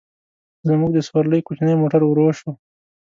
زموږ د سورلۍ کوچنی موټر ورو شو.